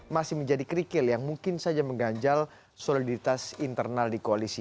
masih menjadi kerikil yang mungkin saja mengganjal soliditas internal di koalisi